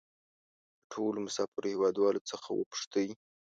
له ټولو مسافرو هېوادوالو څخه وپوښتئ.